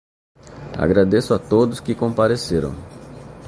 Agradeço a todos que compareceram.